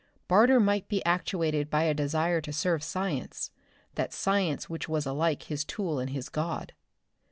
Barter might be actuated by a desire to serve science, that science which was alike his tool and his god.